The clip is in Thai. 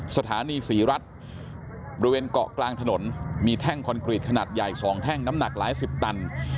สถานีศรีรัฐบริเวณเกาะกลางถนนมีแท่งคอนกรีตขนาดใหญ่๒แท่งน้ำหนักหลายสิบตัน